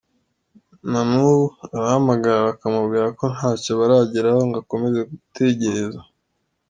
Na n’ubu arahamagara bakamubwira ko ntacyo barageraho, ngo akomeze gutegereza.